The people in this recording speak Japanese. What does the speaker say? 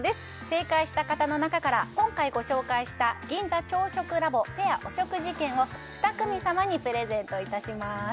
正解した方の中から今回ご紹介した銀座朝食ラボペアお食事券を２組様にプレゼントいたします